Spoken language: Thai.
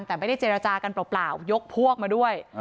แต่ไม่ได้เจรจากันเปล่ายกพวกมาด้วย